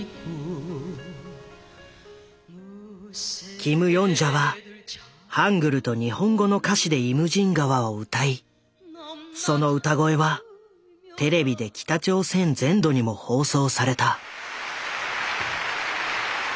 キム・ヨンジャはハングルと日本語の歌詞で「イムジン河」を歌いその歌声はテレビで北朝鮮全土にも放送された。